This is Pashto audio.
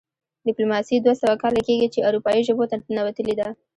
ډیپلوماسي دوه سوه کاله کیږي چې اروپايي ژبو ته ننوتلې ده